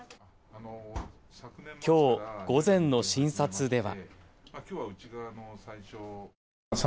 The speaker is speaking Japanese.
きょう午前の診察では。